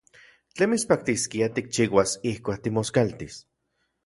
¿Tlen mitspaktiskia tikchiuas ijkuak timoskaltis?